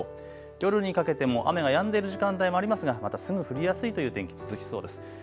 夜にかけても雨がやんでいる時間帯もありますがまたすぐ降りやすいという天気、続きそうです。